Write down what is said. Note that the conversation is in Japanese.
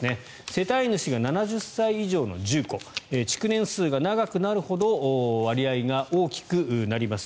世帯主が７０歳以上の住戸築年数が長くなるほど割合が大きくなります。